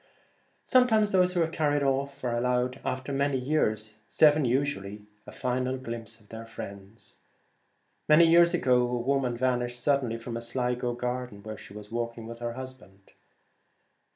Sometimes those who are carried off are allowed after many years — seven usually — a final glimpse of their friends. Many years ago a woman vanished suddenly from a Sligo garden where she was walk ing with her husband.